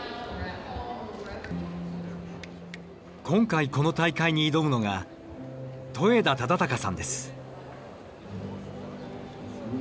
今回この大会に挑むのが戸枝忠孝さんです。